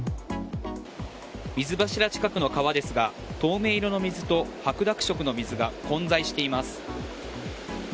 水柱近くの川ですが透明色の水と白濁色の水が混在しています。